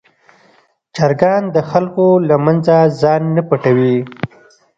چرګان د خلکو له منځه ځان نه پټوي.